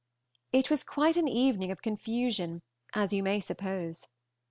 It was quite an evening of confusion, as you may suppose.